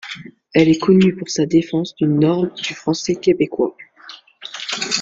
Elle est connue pour sa défense d'une norme du français québécois.